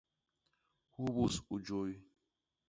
Hubus u jôy.